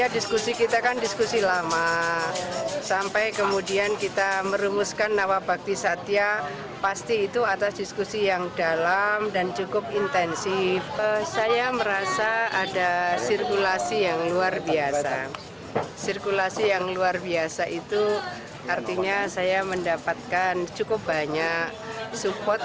demokrasi yang luar biasa itu artinya saya mendapatkan cukup banyak support